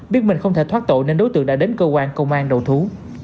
biết mình không thể thoát tội nên đối tượng đã đến cơ quan công an đầu thú